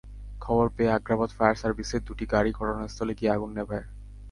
খবর পেয়ে আগ্রাবাদ ফায়ার সার্ভিসের দুটি গাড়ি ঘটনাস্থলে গিয়ে আগুন নেভায়।